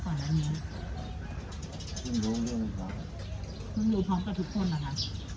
ขวานหน้าเนื้อรู้เรื่องไหมครับรู้พร้อมกับทุกคนหรอค่ะ